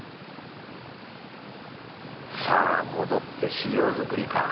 さぁ戻って資料作りか。